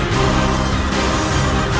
kau tidak bisa menang